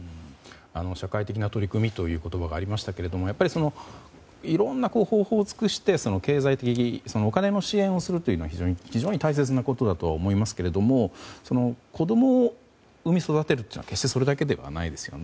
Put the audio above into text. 社会的な取り組みという言葉がありましたがいろいろな方法を尽くして経済的にお金の支援をすることは非常に大切なことだと思いますけども子供を産み、育てるのは決してそれだけではないですよね。